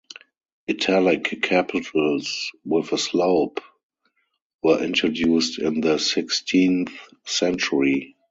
Italic capitals with a slope were introduced in the sixteenth century.